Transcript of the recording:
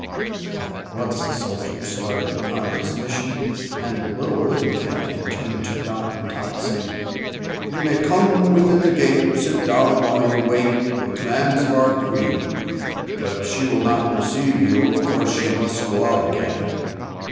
At once the soldier started upon his mission, and the little wooden Captain turned to Dot and Tot, saying, "You may come within the gate and sit down while you await the commands of our Queen; but if she will not receive you, of course you must go out again."